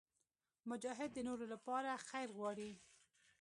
مجاهد د نورو لپاره خیر غواړي.